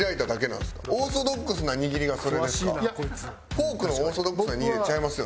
フォークのオーソドックスの握りちゃいますよね？